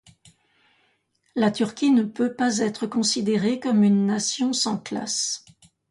La Turquie ne peut pas être considérée comme une nation sans classes.